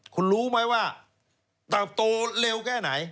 คุณรู้ไหมว่าเติบโตเร็วแค่ไหน